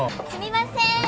すみません。